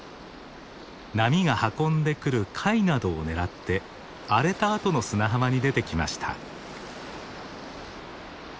波が運んでくる貝などを狙って荒れたあとの砂浜に出てきました。